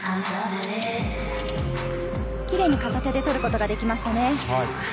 キレイに片手で取ることができましたね。